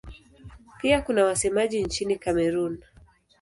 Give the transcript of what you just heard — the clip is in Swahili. Pia kuna wasemaji nchini Kamerun.